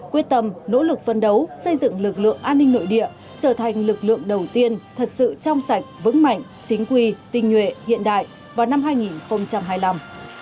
quyết tâm nỗ lực phân đấu xây dựng lực lượng an ninh nội địa trở thành lực lượng đầu tiên thật sự trong sạch vững mạnh chính quy tinh nhuệ hiện đại vào năm hai nghìn hai mươi năm